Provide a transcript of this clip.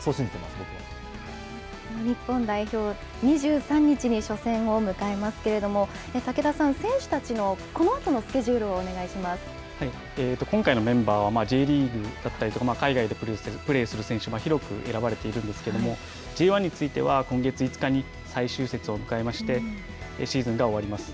日本代表、２３日に初戦を迎えますけれども、武田さん、選手たちのこのあとのスケジュールをお今回のメンバーはＪリーグだったりとか、海外でプレーする選手から広く選ばれているんですけれども、Ｊ１については、今月５日に最終節を迎えまして、シーズンが終わります。